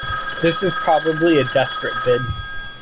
This is probably a desperate bid.